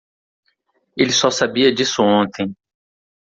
Ele só sabia disso ontem.